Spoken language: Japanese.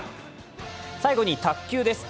最後に卓球です。